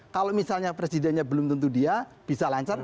kalau misalnya presidennya belum tentu dia bisa lancar